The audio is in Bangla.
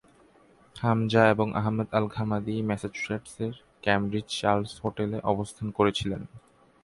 হামজা এবং আহমেদ আল-ঘামাদি ম্যাসাচুসেটস এর কেমব্রিজের চার্লস হোটেলে অবস্থান করেছিলেন।